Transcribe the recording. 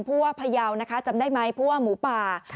พ่อพะเยานะคะจำได้ไหมพ่อหมูป่า